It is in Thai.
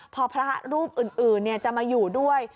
พอพระรูปอื่นจะมาอยู่ด้วย